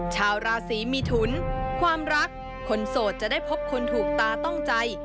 ชาวราศีมีทุนความรักคนโสดจะได้พบคนถูกตาต้องใจ